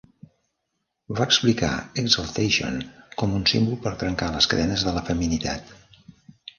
Va explicar "Exaltation" com un símbol per "trencar les cadenes de la feminitat".